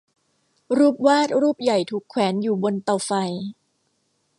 รูปวาดรูปใหญ่ถูกแขวนอยู่บนเตาไฟ